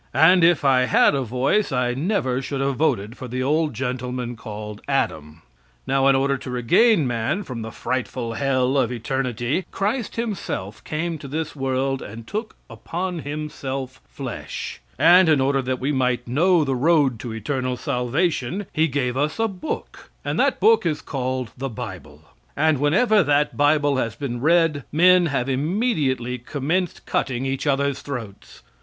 And if I had a voice I never should have voted for the old gentleman called Adam. Now in order to regain man from the frightful hell of eternity, Christ himself came to this world and took upon himself flesh, and in order that we might know the road to eternal salvation he gave us a book, and that book is called the Bible, and whenever that Bible has been read men have immediately commenced cutting each others' throats.